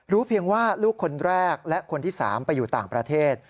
เพียงว่าลูกคนแรกและคนที่๓ไปอยู่ต่างประเทศ